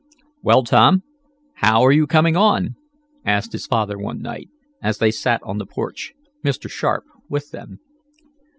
"Well, Tom, how are you coming on?" asked his father one night, as they sat on the porch, Mr. Sharp with them.